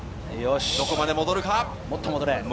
どこまで戻るか？